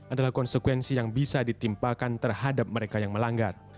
adalah konsekuensi yang bisa ditimpakan terhadap mereka yang melanggar